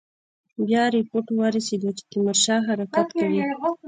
بیا رپوټ ورسېد چې تیمورشاه حرکت کوي.